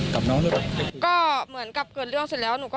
ก็คือนายตั้มค่ะ